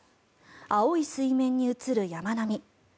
青い水面に映る山並み。